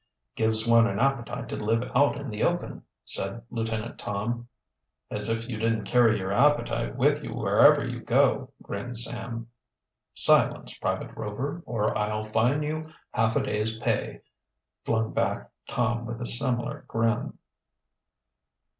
"Gives one an appetite to live out in the open," said Lieutenant Tom. "As if you didn't carry your appetite with you wherever you go," grinned Sam. "Silence, Private Rover, or I'll fine you half a day's pay," flung back Tom with a similar grin.